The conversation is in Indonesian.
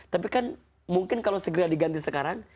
tapi kan mungkin kalau segera diganti sekarang